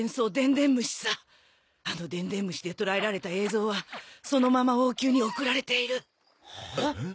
伝虫さあの電伝虫でとらえられた映像はそのまま王宮に送られているえっ？